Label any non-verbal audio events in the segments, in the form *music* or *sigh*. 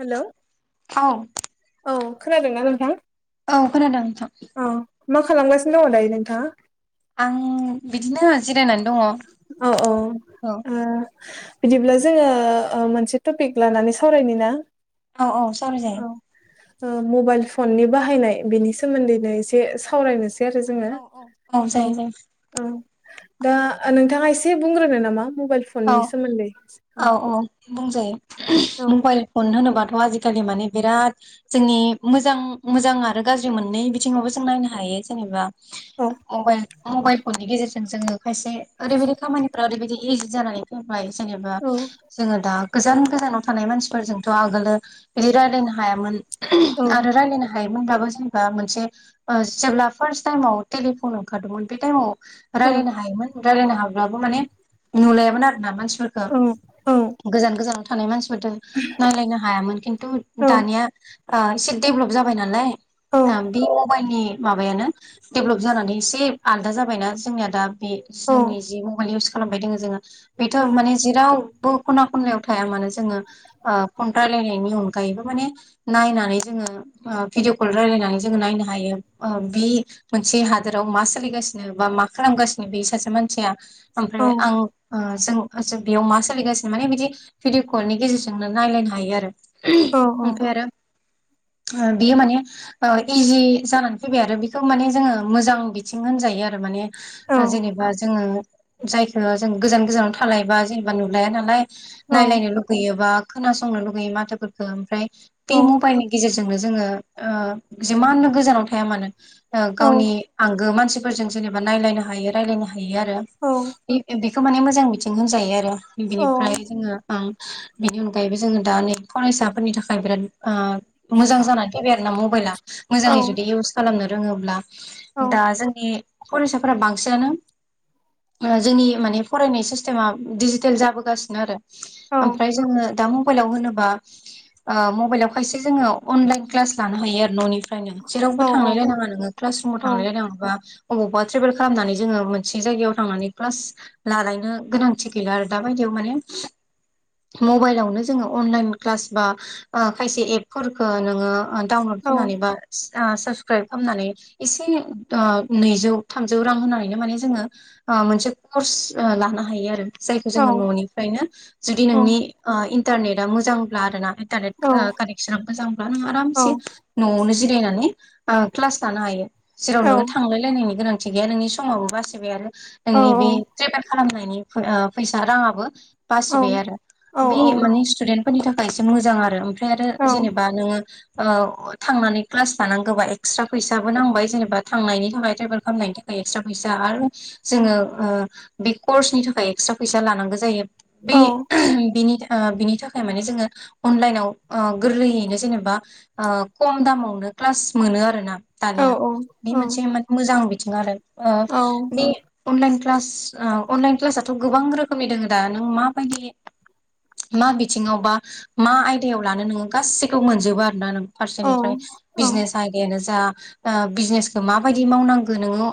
Hello औ। औ खोनादोंना नोंथां? औ खोनादों नोंथां। औ मा खालामगासिनो दङ दायो नोंथाङा? आं बिदिनो जिरायनानै दङ। औ अ औ ओ। बिदिब्ला जोङो ओ मोनसे टपिक लानानै सावरायनो ना? औ औ सावराय औ जायो। ओ मबाइल फननि बाहायनाय बेनि सोमोन्दैनो एसे सावरायनोसै आरो जोङो औ जायो जायो औ दा नोंथाङा एसे बुंग्रोनो नामा? मबाइल औ फननि सोमोन्दै औ। औ मबाइल फन होनोबाद आजिखालि माने बिराद जोंनि मोजां मोजां आरो गाज्रि मोननै बिथिङावबो जों नायनो हायो। जेनबा औ मबाइल मबाइल फननि गेजेरजों जोङो खायसे ओरैबायदि खामानिफ्रा ओरैबायदि इजि जानानै फैबाय जेनेबा जोङो दा गोजान गोजानाव थानाय मानसिफोरजोंथ' आगोलो बिदि रायलायनो हायामोन औ आरो रायलायनो हाय दाबो जेनेबा मोनसे ओ जेब्ला फार्स्ट टाइमाव टेलिफन ओंखारदोंमोन बे टाइमाव औ रायलायनो हायोमोन रायलायनो हाब्लाबो माने नुलायामोन आरो ना मानसि फोरखो औ औ गोजान गोजानाव थानाय मानसि नायलायनो हायामोन खिन्थु दानिया ओ एसे देभलप जाबाय नालाय औ ओ बे मबाइलनि माबायानो डेभलप जानानै एसे आलदा जाबायना जोंनिया दा बे जोंनि जि मबाइल इउस खालामबाय दङो जोङो बेथ' औ माने जिराव बो खना खनलायाव थाया मानो जोङो ओ फन रायलायनाय अनायैबो माने नायनानै जोङो भिडअ कल रायलायनानै जों नायनो हायो। बे मोनसे हादोराव मा सोलिगासिनो बा मा खालामगासिनो बे सासे मानसिया। ओमफ्राय आं। जों बेयाव मा सोलिगासिनो माने बिदि भिडिअ कलनि गेजेरजोंनो नायलायनो हायो आरो। औ ओमफ्राय आरो। बियो माने इजि जानानै फैबाय आरो बेखौ माने जोङो मोजां बिथिं होनजायो। बे आरो माने। जेनेबा जोङो जायखौ जों गोजान गोजानाव थालायबा जेनेबा नुलाया नालाय। नायलायनो लुुबैयो बा खोनासंनो लुगैयो माथोफोरखौ ओमफ्राय बे मबाइलनि गेजेरजों। जोङो जिमान गोजानाव थाया मानो औ गावनि आंगो मानसिफोर। फोरजों जेनेबा नायलायनो हायो रायलायनो हायो आरो औ बेखौ माने मोजां मिथिं होनजायो आरो। औ बिनिफ्राय जोङो बिनि। अनगायैबो जोङो दा नै फरायसाफोरनि थाखाय बिराद। मोजां जानानै फैबाय आरो ना मबाइला मोजाङै औ जुदि इउस खालामनो रोङोब्ला। दा जोंनि फरायसाफोरा बांसिनानो जोंनि। माने फरायनाय सिस्टेमा डिजिटेल जाबोगासिनो आरो ओमफ्राय जोङो दा मब मबाइलाव होनोबा मबाइलाव खायसे जोङो अनलाइन क्लास लानो हायो आरो न'निफ्राय। नो जेरावबो थांलायनाङा नोङो क्लास रुमाव थांलायलाय नाङा बा। अबावबा ट्रेभेल खालामनानै जोङो मोनसे जायगायाव थांनानै क्लास। लालायनो गोनांथि गैला आरो दाबायदियाव माने। मबाइलावनो जोङो अनलाइन क्लास बा खायसे एपफोरखौ नोङो । डाउनलड खालामनानै बा। साबसक्राइब खालामनानै एसे नैजौ थामजौ रां होनानैनो माने जोङो। मोनसे कर्स लानो हायो आरो जायखौ जोङो न'निफ्रायनो जुदि नोंनि। इन्टारनेटा मोजांब्ला आरोना। इन्टारनेट कानेकसन मोजांब्ला नों आरामसे न'आवनो जिरायनानै। क्लास लानो हायो जेराव नोङो थांलायलायनायनि गोनांथि गैया नोंनि समाव बासिबाय आरो। नोंनि बे ट्रेभेल खालामनायनि फैसा राङाबो। बासिबाय आरो बे माने स्टुदेन्ट फोरनि थाखाय एसे मोजां आरो। ओमफ्राय आरो जेनेबा नोङो। थांनानै क्लास लानांगौबा एक्सट्रा फैसाबो नांबाय जेनेबा थांनायनि थाखाय ट्रेभेल खालामनायनि थाखाय। एक्सट्रा फैसा आरो जोङो। बे कर्सनि थाखाय एक्सट्रा फैसा लानांगौ जायो बे बेनि। बिनि थाखाय माने जोङो अनलाइनाव गोरलैयैनो जेनेबा खम दामावनो। क्लास मोनो आरोना। दानिया बे मोनसे माने मोजां बिथिं आरो बे अनलाइन क्लास। अनलाइन क्लासथ' गोबां रोखोमनि दोङो दा नों माबायदि। मा बिथिङाव बा मा आयदायाव लानो नोङो गाैखौबो मोनजोबो आरोना नों। फारसेनिफ्राय बिजनेस आयदायानो जा। बिजनेसखौ माबायदि मावनांगो नोङो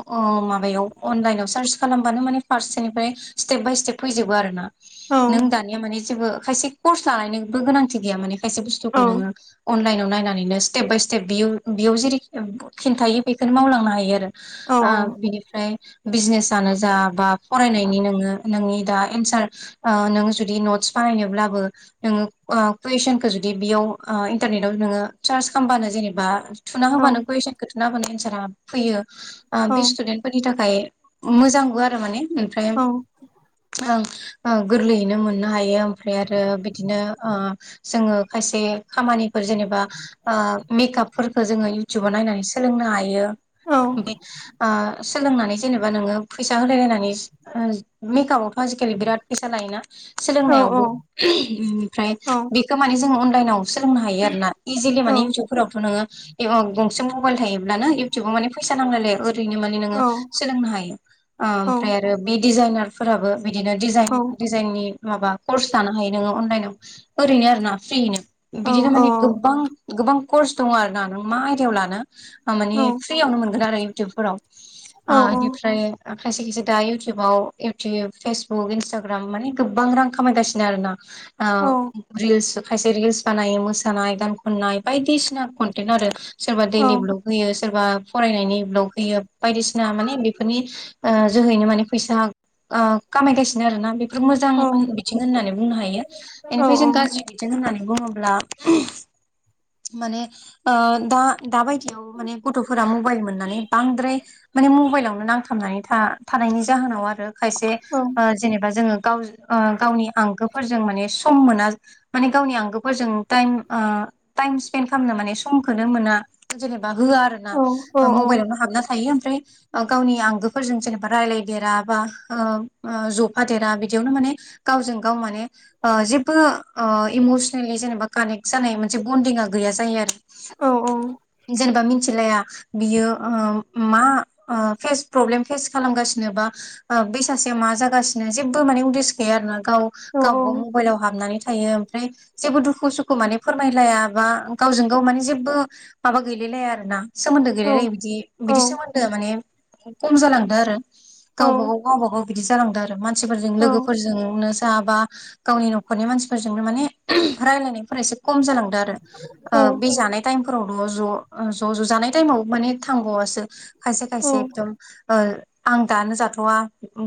माबायाव अनलाइनाव सार्च खालामबानो माने। फारसेनिफ्राय स्टेप बाय स्टेप फैजोबो आर ना नों दानिया माने जेबो। खायसे कर्स लानायनोबो गोनांथि गैया माने खायसे बुस्थुखौ नोङो अनलाइन नाव। नायनानैनो स्टेप बाय स्टेप बेयाव जेरै खिन्थायो बेखौनो मावलांनो हायो आरो। बिनिफ्राय बिजनेसनो जा बा फरायनायनि नोङो। नोंनि दा एन्सार नोङो जुदि नटस बानायनोब्लाबो नोङो कुइसनखौ जुदि। बिदि बेयाव इन्टारनेटाव नोङो सार्च खालामबानो जेनेबा। थुना होबानो कुइेसनखौ थुना होबानो एन्सारा फैयो बे स्टुडेन्टफोरनि थाखाय। मोजांबो आरो माने ओमफ्राय ओं। गोरलैयैनो मोननो हायो ओमफ्राय आरो बिदिनो जोङो खायसे खामानिफोर जेनेबा मेकापफोरखौ जोङो इउटुबाव नायनानै सोलोंनो हायो। सोलोंनानै जेनेबा नोङो फैसा होलायलायनानै मेकआपव आजिखालि बिराद फैसा लायोना सोलोंनायावबो ओमफ्राय बेखौ मानिे जों सोलोंनो हायो आरो ना इजिलि माने इउथुबफोरावथ' नोङो गंसे मबाइल थायोब्लानो इउटुबाव माने फैसा फैसा नांलायलाय ओरैनो माने नोङो सोलोंनो हायो ओमफ्राय डिजाइनार फोराबो बिदिनो डिजाइ डिजाइननि माबा कर्स लानो हायो नोङो अनलाइनाव ओरैनो आरोना फ्रियैनो बिदिनो माने गोबां गोबां कर्स दङ आरो ना नों मा आयदायाव लानो माने फ्रियावनो मोनगोन आरो इउटुबफोराव बेनिफ्राय खायसे खायसे दा इउटुबाव इउटुब फेसबुक इन्सटाग्राम माने गोबां रां खामायगासिनो आरोना आ रिलस खायसे रिल्स बानायो मोसानाय गान खननाय बायदिसिना कन्टेन्ट आरो सोरबा दैडलि ब्लग होयो सोरबा फरायनायनि ब्लग होैयो बायदिसिना माने बेफोरनि जोहैनो माने फैसा खामायगासिनो आरोना बे बेफोर मोजां बिथिं होननानै बुंनो हायो बेनिफ्राय जों गाज्रि बिथिं होननानै बुङोब्ला माने ओ दा दाबायदि खाथियाव माने गथ'फोरा मबाइल मोननानै बांद्राय माने मबाइलावनो नांथाबनानै था थानायनि जाहोनाव आरो खायसे जेनेबा जोङो गाव गावनि आंगो फोरजों माने सम मोना माने गावनि आंगोफोरजों टाइम ओ टाइम स्पेन्द खालामनो माने समखौनो मोना जेबा होआ आरो ना मबाइलावनो हाबना थायो गावनि आओमफ्राय गावनि आंगोफोरजों जेनेबा रायजलाय फेरा बा ओ ओजफेरा बिदियावनो माने गावजों गाव माने जेबो इमसनेलि जेनेबा कानेक्ट जानाय मोनसे बन्डिंआ गैया जायो आरो जेनेबा मि मिथिलाया बेयो ओ मा फेस प्रब्लेम खालामगासिनो बा बै सासेयाव मा जागासिनो जेबो माने उदेस गैया आरोना गाव गाव गाव मबाइलाव हाबनानै थायो ओमफ्राय जेबो दुखु मान फोरमायल बा गावजों गाव माने जेबो मा ग गैलायलाया आरो ना सोमोन्दो गैलायलायो बिदि बिदि औ सोमोन्दोआ माने खम जालांदो आरो नंगौ गावबागाव गावबा गाव बिदि जालांदों आरो मानसिफोरजों औ लोगोफोरजोंनो जाबा गावनि न'खरनि मानसिफोरजोंनो माने रायलायनाय फ्रा खम जालांदों आरो औ बे जानाय टाइम फोराव' ज' ज' ज' जानाय टाइमाव माने थांगावसो खायसे औ खायसे एकदम आं दानो जाथ'वा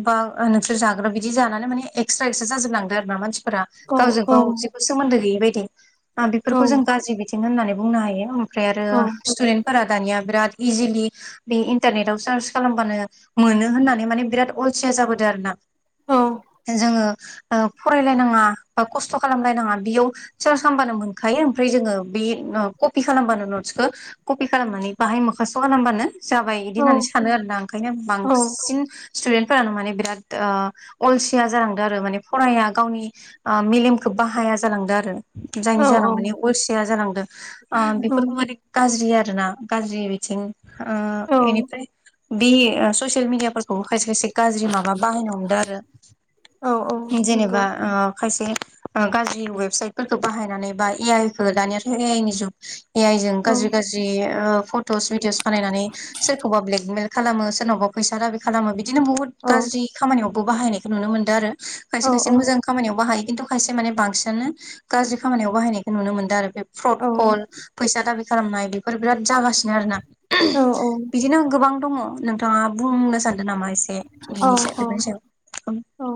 बा नोंसोर जाग्रो बिदि जानानै माने एक्सट्रा एक्स्ट्रा जाजोबलांदो आरो ना मानसि फोरा औ गावजों औ गाव जेबो सोमोन्दो गैयै बायदि बेफोरखौ जों गाज्रिबिथिं होननानै बुंनो हायो ओमफ्राय आरो स्टुदेन्टफोरा दानिया बिराद इजिलि बे इन्टारनेटाव सार्च खालाम मोनो होननानै माने बिराद अलसिया जाबोद आरो ना जोङो फरायलायनाङा बा खस्थ' खालामलायनाङा बेयाव सोरस खालामब्लानो मोनखायो ओमफ्राय जोङो बे कपि खालामबानो नटसखौ कपि खालामनानै बाहाय मोखास' खालामबानो जाबाय बिदि होननानै सानो आरोना ओंखायनो औ बांसिन स्टुदेन्फोरानो माने बिराद अलसिया जालांदों आरो माने फराया गावनि मेलेमखौ खोब बा हाया जालांदों आरो जायनि जाहोनाव माने अरसिया जालांदों आ बेफोरखौ माने गाज्रि आरो आरोना गाज्रि बिथिं बेनिफ्राय बे ससियेल मिडियाफोरखौ खायसे खायसे गाज्रि माबा बाहायनो हमदों आरो जेनेबा खायसे गाज्रि वेबसाइटफोरखौ बाहायनानै बा ए आइखौ दानियाथ' ए आइ नि जुग ए आइ जों गाज्रि गाज्रि फट'स भिदिअस बानायनानै सोरखौबा ब्लेकमेल खालामो सोरनावबा फैसा दाबि खालामो बिदिनो बुहुत गाज्रि खामानियावबो बाहायनायखौ नुनो मोन्दों आरो खायसे खायसे मोजां खामानियाव बाहायो । खिन्थु खायसे माने बांसिनानो गाज्रि खामानियाव बाहायनायखौ नुनो मोनदों आरो बे फ्रद कल फैसा दा बे खालामनाय बेफोर बिराद जागासिनो आरोना बिदिनो गोबां दङ नोंथाङा बुंनो सानदों नामा एसे बेनिायाव बेफोरनि औ सायाव । औ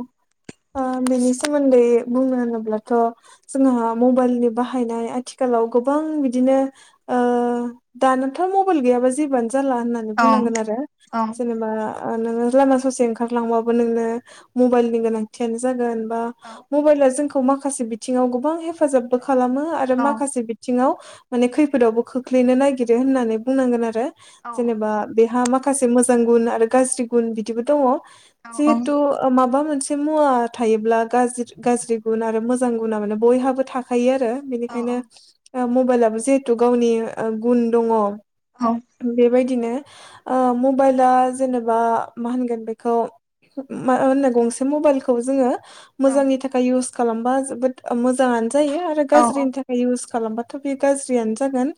ओ बिनि सोमोन्दै बुंनो होनोब्लाथ' जोंहा मबाइलनि बाहायनाय आथिखालाव गोबां बिदिनो नो ओ दथ' मब गै जेबो जाला होननानै औ बुंनांगोन आरो औ जेनेबा नोङो लामा ससे ओंखारलांबाबो नोंनो मबाइलनि गोनांथियानो जागोन । बा औ मबाइला जोंखौ माखासे बिथिङाव गोबां हेफाजाबबो खालामो आरो बेखौ माखासे बिथिङाव माने खैफोदावबो खोख्लैनो नागिरो होननानै बुंनांगोन आरो जेनेबा बेहा माखासे माखासे मोजां गुन आरो गाज्रि गुन बिदिबो दङ जिहेथु ओ माबा मोनसे मुवा थायोब्लारि गाज्रि गुन आरो मोजां गुना माने बयहाबो थाखायो आरो । आरो बेनिखायनो मबाइलाबो जिहेथु गावनि गुन दङ बेबाय दिनो मबाइला जेनेबा मा होनगोन बेखौ मा होनो गंसे मबाइलखौ जोङो मोजांनि थाखाय इउस खालामबा जोबो मोजां जायो आरो गाजिनि थाखाय इउस खालामबाथ बे गारजिआनो जागोन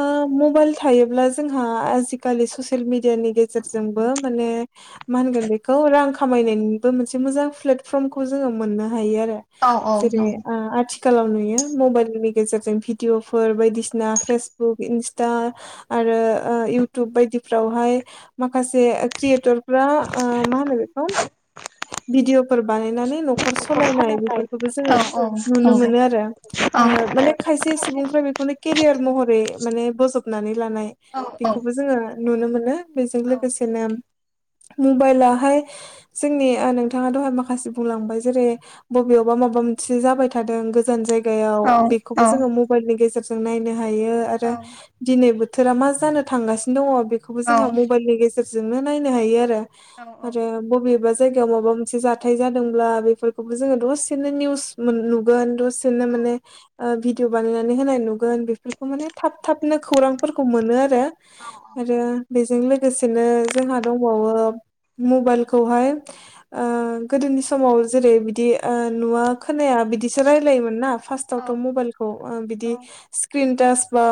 ओ मबाइल हायोब्ला जोंया आजिखा सियेल मिदिआनि गेजजों मान मोनखौ रां खामायनायनिबो मोनसे मोजां प्लेटफर्मखौ जोङो मोननो हायो आरो जेरै आथिखाल खालाव नुयो मबाइलनि गेजेरजों भिडिअफोर बायदिसिना फेसबुक इन्स्टा आरो आरो इउथुब बायदिफ्रावहाय माखासे क्रियथर फोरा मा होनो बेखौ भिडअ फोर बानायनानै' नखर सालायनाय बेफोरखौबो जोङो नुनो मोनो आरो माने खायसे सुबुंफ्रा बेखौ केरियार महरै माने बजबनानै लानाय बेखौबो जोङो नुनो मोनो बेजों लोगोसेनो मबाइलहाय जोंनि नोंथाङा दहाय माखासे बुंलांबाय जेरै बबेयावबा माबा मोनसे जाबाय थादों गोजान जायगा गायाव बेखौबो जोङो मबाइलनि गेजेरजों नायनो हायो आरो दिनै बोथोरा मा जानो थांगासिनो दङ बेखौबो जोंहा मबाइलनि गेजेरजोंनो नायनो हायो आरो । आरो बबि बा जायगायाव माबा मोनसे जाथाय जादों बेफोरखौबो जो दनो निसोन सेनो माने ओ भिदिअ बानायनानै होनाय नुगोन बेफोरखौ माने थाब थाबनो खौरांफोरखौ मोनो आरो । आरो बेजों लोगोसेनो जोंहा दंबावो मबाइलखौहाय ओ गोदोनि समाव जेरै बिदि नुवा खोनाया बिदिसो रायजलायोमोन ना फार्स्टावथ' मबाइलखौ बिदि स्क्रिन टाच बा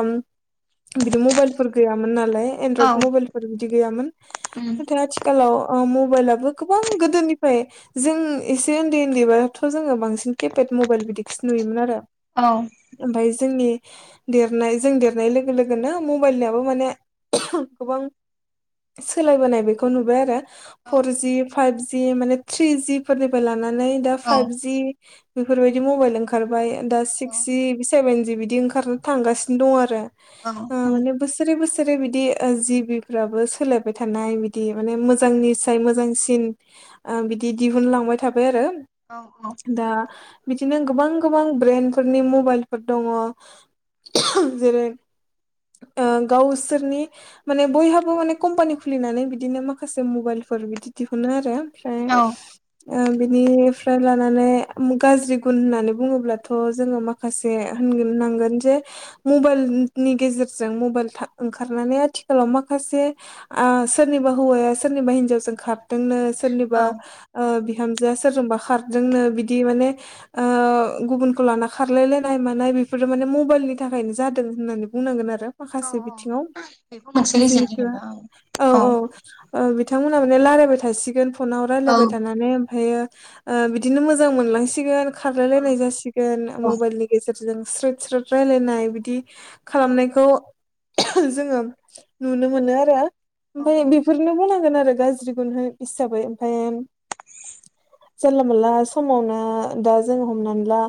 बिदि मबाइलफोर गैयामोन नालाय एनड्रयड मबाइलफोर बिदि गैयामोन नाथथाय आथिखालाव मबाइलाबो गोबां गोदोनिफ्राय जों एसे उन्दै उन्दैबाथ' जोङो बांसिन बांसिन केपेद मबाइल बिदिखौ नुयोमोन आरो ओमफ्राय जोंनि देरनाय जों देरनाय लोगो लोगोनो मबाइलनिआबो माने गोबां सोलायबोनाय बेखौ नुबाय आरो । फरजि फाइभजि माने थ्रिजि फोरनिफ्राय लानानै दा फाइभजि बेफोरबायदि मबाइल ओंखारबाय दा सिक्स जि सेभेन जि बिदि ओंखारनो थांगासिनो दं आरो माने बोसोरै बोसोर बिसोरो बिदि जिबिफ्राबो सोलायबाय थानाय बिदि माने मोजांनि साय मोजांसिन बिदि दिहुनलांबाय थाबाय आरो । दा बिदिनो गोबां गोबां ब्रेन्ड फोरनि मबाइलफोर दङ । जेरै गावसोरनि माने बयहाबो माने कम्पानि खुलिनानै बिदिनो मा माखासे मबाइलफोर बिदि दिहुनो आरो ओमफ्राय बिनिफ्राय लानानै गाज्रि गुन होननानै बुङोब्लाथ' जोङो माखासे होननांगोन जे मबाइलनि गेजेरजों मबाइल ओंखारनानै आथिखालाव माखासे सोरनिबा हौवाया जे सोरनिबा हिनजावजों खारदोंनो सोरनिबा बिहामजो। सोरजोंबा खारदोंनो बिदि माने गुबुनखौ लाना खारलायलाय नाय मानाय बेफोरो माने मबाइलनि थाखायनो जादों होननानै बुंनांगोन आरो माखासे बिथिङाव मोनसे रिजोननि जिहेथु होनबा औ औ। बिथांमोना माने राय्लायबाय थासिगोन फनाव औ रायज्लायबाय थानानै ओमफ्रायो बिदिनो मोजां मोनलांसिगोन खारलाय औ लायनाय जासिगोन औ मबाइलनि गेजेरजों स्रोद स्रोद रायलायनाय बिदि खालामनायखौ। जोङो नुनो मोनो आरो औ ओमफ्राय बेफोर ांगोन आरो गाज्रि ग हिसाबै ओमफ्राय *inaudible* जानला मोनला समावनो दा जों हमनानै ला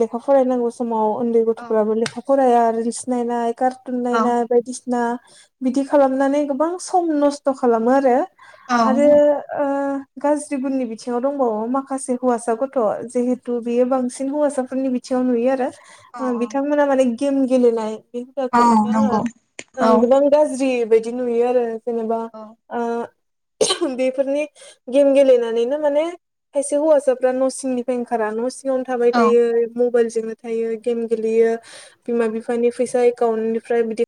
लेखा फरायनांगौ समाव उन्दै औ गथ'फोराबो लेखा फराया रिल्स नायनाय कार्टुन नायनाय बायदिसिना ना बिदि खालामनानै गोबां सम नस्थ' खालामो आरो। औ आरो ओ गाज्रि गुननि बिथिङाव दंबावो माखासे हौवासा गथ' जिहेथु बेयो बांसिन हौवासाफोरनि बिथिं ङाव नुयो आरो औ बिथांमोना माने गेम गेलेनाय। बे हुदाखौ औ नंगौ औ आङो गोबां गाज्रि बादि नुयो आरो जेनेबा औ ओ बेफोरनि गेम गेलेनानैनो माने खायसे हौवासाफ्रा न' सिंनिफ्राय ओंखारा न' सिं। सिङावनो थाबाय औ थायो मबाइल जोंनो थायो गेम गेलेयो बिमा औ बिफानि फैसा एकाउन्ट निफ्राय बिदि